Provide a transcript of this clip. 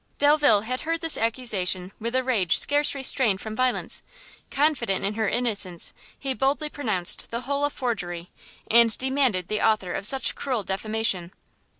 Delvile had heard this accusation with a rage scarce restrained from violence; confident in her innocence, he boldly pronounced the whole a forgery, and demanded the author of such cruel defamation.